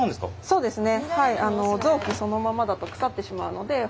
そうですね。